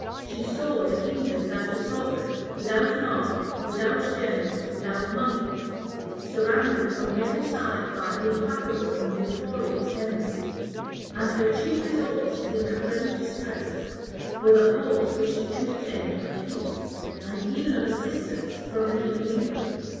She saw the kingdom without a sovereign, without an army, without generals, without money; surrounded on every side by implacable and victorious enemies; and her chief resource, in her present distresses, were the hopes which she entertained of peace and even of assistance from the king of England.